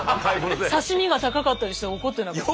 刺身が高かったりしたら怒ってなかった？